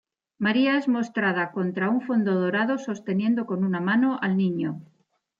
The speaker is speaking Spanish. María es mostrada contra un fondo dorado, sosteniendo con una mano al Niño.